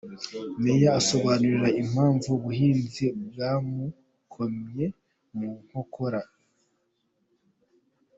Meya asobanura impamvu ubuhinzi bwamukomye mu nkokora.